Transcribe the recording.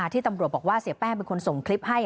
ที่รับคำว่าเเสียแป้งเป็นคนส่งคลิปให้